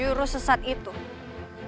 nah kau bisa di doa